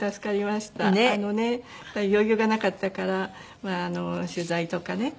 あのね余裕がなかったから取材とかね